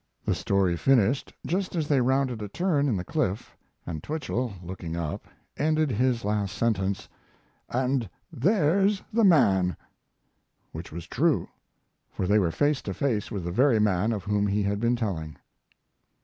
The story finished just as they rounded a turn in, the cliff, and Twichell, looking up, ended his last sentence, "And there's the man!" Which was true, for they were face to face with the very man of whom he had been telling.